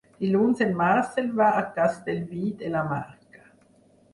Dilluns en Marcel va a Castellví de la Marca.